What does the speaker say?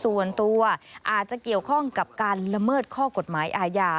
ส่วนตัวอาจจะเกี่ยวข้องกับการละเมิดข้อกฎหมายอาญา